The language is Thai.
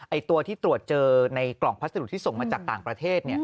ตัวที่ตรวจเจอในกล่องพัสดุที่ส่งมาจากต่างประเทศ